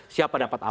siapa dapat apa